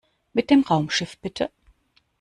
Mit dem Raumschiff bitte!